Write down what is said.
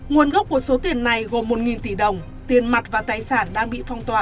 nguồn gốc của số tiền này gồm một tỷ đồng tiền mặt và tài sản đang bị phong tỏa